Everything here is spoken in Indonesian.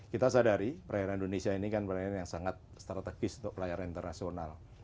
kita sadari perairan indonesia ini kan perairan yang sangat strategis untuk pelayaran internasional